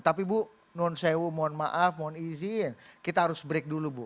tapi bu non sewu mohon maaf mohon izin kita harus break dulu bu